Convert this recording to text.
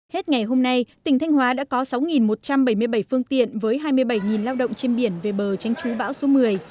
hết ngày hôm nay tỉnh thanh hóa đã có sáu một trăm bảy mươi bảy phương tiện với hai mươi bảy lao động trên biển về bờ tránh chú bão số một mươi